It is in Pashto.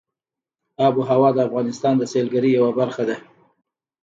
آب وهوا د افغانستان د سیلګرۍ یوه برخه ده.